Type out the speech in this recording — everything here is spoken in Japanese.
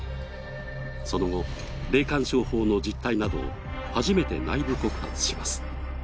その後、霊感商法の実態などを初めて内部告発します。